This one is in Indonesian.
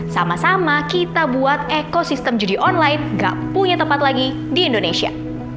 sama sama kita buat ekosistem judi online gak punya tempat lagi di indonesia